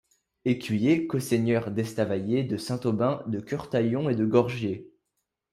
Écuyer, co-seigneur d'Estavayer, de Saint-Aubin, de Curtaillon et de Gorgier.